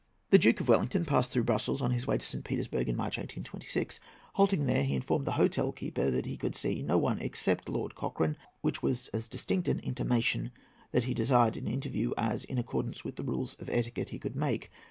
The Duke of Wellington passed through Brussels, on his way to St. Petersburg, in March, 1826. Halting there, he informed the hotel keeper that he could see no one except Lord Cochrane, which was as distinct an intimation that he desired an interview as, in accordance with the rules of etiquette, he could make.